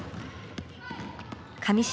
上島